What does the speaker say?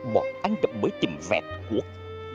bọn anh cũng mới tìm vẹt cuốc